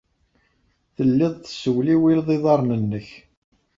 Telliḍ tessewliwileḍ iḍarren-nnek.